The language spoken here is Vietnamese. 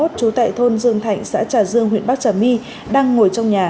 trú tại thôn dương thạnh xã trà dương huyện bắc trà my đang ngồi trong nhà